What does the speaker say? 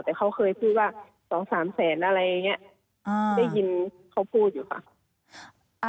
แต่เขาเคยพูดว่า๒๓แสนอะไรอย่างนี้ได้ยินเขาพูดอยู่ค่ะ